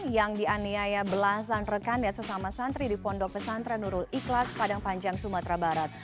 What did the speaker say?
yang dianiaya belasan rekan dan sesama santri di pondok pesantren nurul ikhlas padang panjang sumatera barat